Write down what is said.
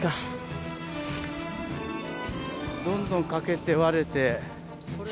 どんどん欠けて割れて。